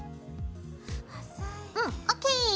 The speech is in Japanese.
うんＯＫ。